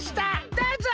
どうぞ！